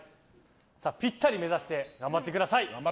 ぴったり目指して頑張ってください。